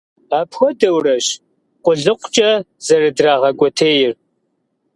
Апхуэдэурэщ къулыкъукӀэ зэрыдрагъэкӀуэтейр.